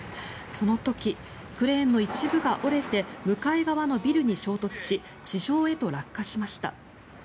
その時、クレーンの一部が折れて向かい側のビルに衝突し地上へと落下しました。